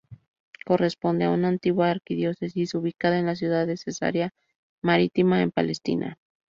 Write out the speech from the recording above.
Corresponde a una antigua arquidiócesis ubicada en la ciudad de Cesarea Marítima en Palestina.